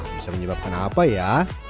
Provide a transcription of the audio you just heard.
bisa menyebabkan apa ya